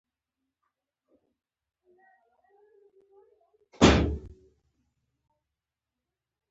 دوی د ډبرې د ګنبد داخلي او بهرنۍ برخه سنګار کړه.